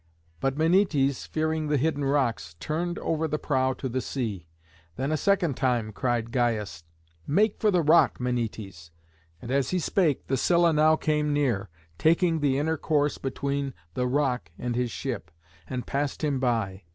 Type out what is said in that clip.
But Menœtes, fearing the hidden rocks, turned ever the prow to the sea. Then a second time cried Gyas, "Make for the rock, Menœtes." And as he spake, the Scylla now came near, taking the inner course between the rock and his ship, and passed him by.